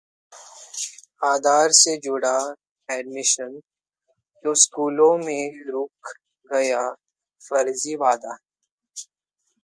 आधार से जुड़ा एडमिशन, तो स्कूलों में रुक गया फर्जीवाड़ा